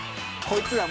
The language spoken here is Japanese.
こいつら